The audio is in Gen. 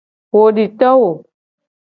Wo di to wo.